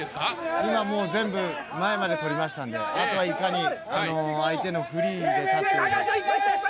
今全部前まで取りましたので、いかに相手のフリーで。